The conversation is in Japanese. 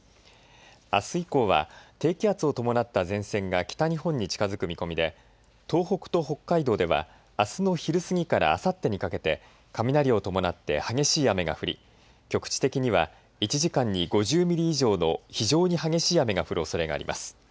あす以降は低気圧を伴った前線が北日本に近づく見込みで東北と北海道ではあすの昼過ぎからあさってにかけて雷を伴って激しい雨が降り局地的には１時間に５０ミリ以上の非常に激しい雨が降るおそれがあります。